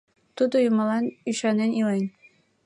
Тудо юмылан ӱшанен илен.